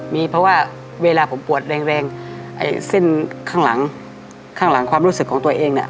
มีเพราะว่าเวลาผมปวดแรงไอ้เส้นข้างหลังข้างหลังความรู้สึกของตัวเองเนี่ย